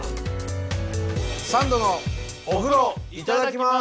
「サンドのお風呂いただきます」。